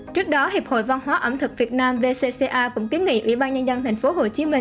trước đó hiệp hội văn hóa ẩm thực việt nam vcca cũng kiến nghị ủy ban nhân dân tp hcm